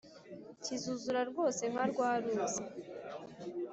Kizuzura rwose nka rwa Ruzi